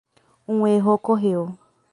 Um erro ocorreu.